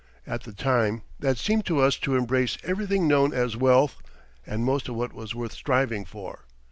At the time that seemed to us to embrace everything known as wealth and most of what was worth striving for.